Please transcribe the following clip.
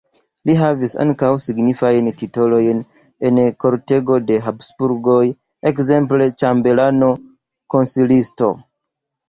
Li havis ankaŭ signifajn titolojn en kortego de Habsburgoj, ekzemple ĉambelano, konsilisto.